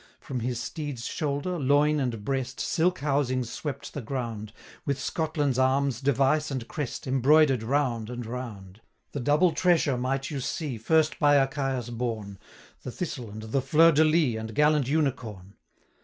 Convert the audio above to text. From his steed's shoulder, loin, and breast, Silk housings swept the ground, With Scotland's arms, device, and crest, Embroider'd round and round. 140 The double tressure might you see, First by Achaius borne, The thistle and the fleur de lis, And gallant unicorn.